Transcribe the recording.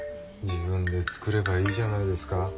自分で作ればいいじゃないですか。